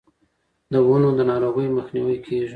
د ونو د ناروغیو مخنیوی کیږي.